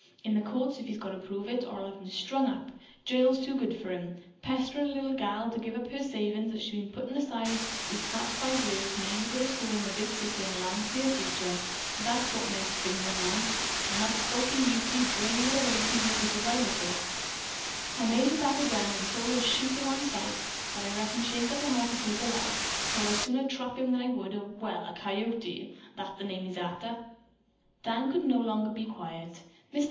In the courts, he's got to prove it, or I'll have him strung up. Jail's too good for him. Pesterin' a little gal to get her to give up her savin's that she's been puttin' by this five year past, meanin' to go to school in the big city and larn to be a teacher. That's what Meg's figgerin' on, and that skulkin' Ute drainin' it away from her little by little. I made her pack a gun, an' tol' her to shoot him on sight, but I reckon she ain't got the heart to take a life, though I'd sooner trap him than I would a well, a coyote that he's named arter." Dan could be quiet no longer. "Mr.